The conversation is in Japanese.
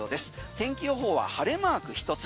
天気予報は晴れマーク１つ。